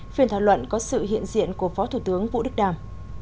phiên thảo luận có sự hiện diện của phó thủ tướng vũ đức đàm